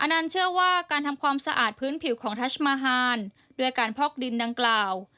นั่นเชื่อว่าการทำความสะอาดพื้นผิวของทัชมาฮานด้วยการพอกดินดังกล่าว